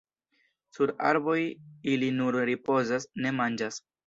Sur arboj ili nur ripozas, ne manĝas.